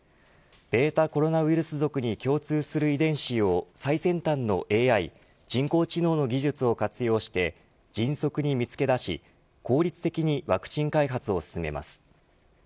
ベータコロナウイルス属に共通する遺伝子を最先端のＡＩ人工知能の技術を活用して迅速に見つけ出し効率的にワクチン開発を進めます。